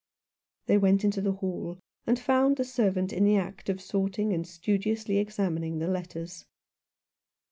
They went into the hall, and found the servant in the act of sorting and studiously examining the letters.